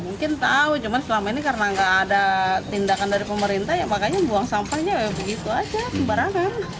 mungkin tahu cuma selama ini karena nggak ada tindakan dari pemerintah ya makanya buang sampahnya begitu aja sembarangan